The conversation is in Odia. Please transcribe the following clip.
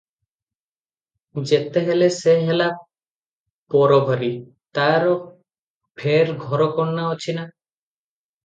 ଯେତେ ହେଲେ ସେ ହେଲା ପରଘରୀ, ତାର ଫେର ଘରକରଣା ଅଛି ନା?